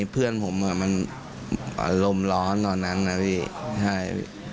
เพื่อนผมมันลมร้อนตอนนั้นนะพี่